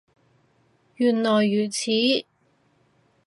原來如此